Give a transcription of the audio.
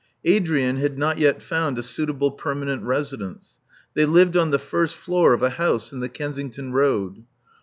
Adrian had not yet found a suitable permanent residence. They lived on the first floor of a house in the Kensington Road.